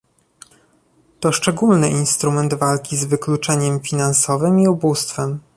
To szczególny instrument walki z wykluczeniem finansowym i ubóstwem